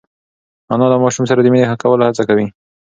انا له ماشوم سره د مینې کولو هڅه کوي.